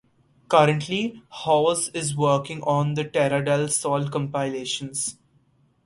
Currently, Hauss is working on the Terra Del Sol compilations.